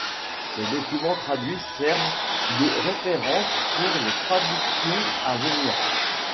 Les documents traduits servent de référence pour les traductions à venir.